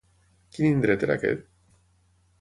Quin indret era aquest?